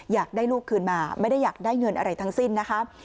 อยากได้ลูกคืนมาไม่ได้อยากได้เงินอะไรทั้งสิ้นนะคะ